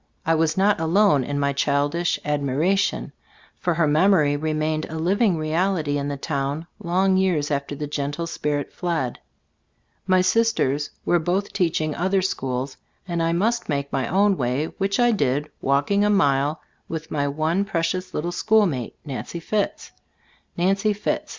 I was not alone in my childish admiration, for her memory remained a living ttbe Storg of A£Gbftobod& 33 reality in the town long years after the gentle spirit fled. My sisters were both teaching other schools, and I must make my own way, which I did, walking a mile with my one pre cious little schoolmate, Nancy Fitts. Nancy Fitts!